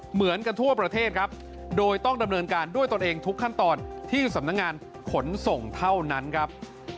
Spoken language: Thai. เหมือนกันทั่วประเทศครับโดยต้องดำเนินการด้วยตนเองทุกขั้นตอนที่สำนักงานขนส่งเท่านั้นครับ